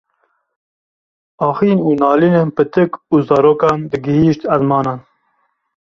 axîn û nalînên pitik û zarokan digihîşt ezmanan